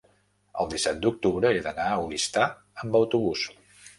el disset d'octubre he d'anar a Oristà amb autobús.